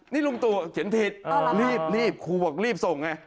นี่ลุงตู่เขียนผิดรีบครูบอกรีบส่งไง